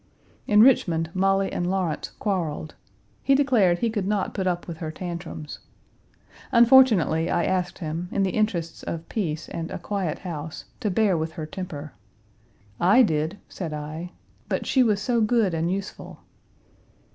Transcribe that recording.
In Richmond, Molly and Lawrence quarreled. He declared he could not put up with her tantrums. Unfortunately I asked him, in the interests of peace and a quiet house, to bear with her temper; I did, said I, but she was so good and useful.